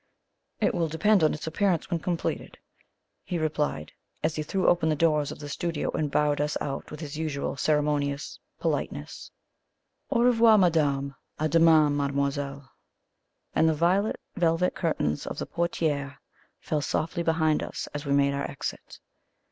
"It will depend on its appearance when completed," he replied, as he threw open the doors of the studio and bowed us out with his usual ceremonious politeness. "Au revoir, madame! A demain, mademoiselle!" and the violet velvet curtains of the portiere fell softly behind us as we made our exit.